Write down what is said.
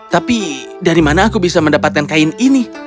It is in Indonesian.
tapi dari mana aku bisa mendapatkan kain ini